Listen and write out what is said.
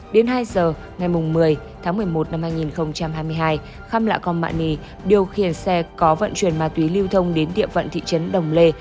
đến hai giờ ngày một mươi một mươi một hai nghìn hai mươi hai khăm lạ con mạ ni điều khiển xe có vận chuyển ma túy lưu thông đến địa vận thị trấn đồng lê